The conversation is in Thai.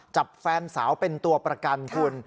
จับแฟนสาวเป็นตัวประกันคุณ